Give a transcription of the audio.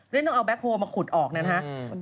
ต้องเอาแบ็คโฮลมาขุดออกนะครับ